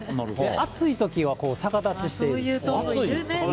暑いときは逆立ちしてる。